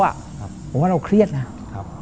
ผมว่าเราเครียดนะ